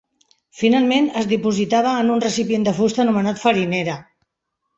Finalment, es dipositava en un recipient de fusta anomenat farinera.